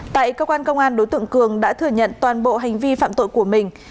tại công an đối tượng cường đã thừa nhận toàn bộ hành vi phạm tội của mình